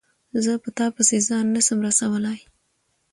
زه په تا پسي ځان نه سم رسولای